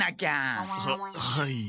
ははい。